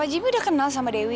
jimmy udah kenal sama dewi